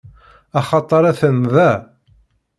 Axaṭeṛ atan da.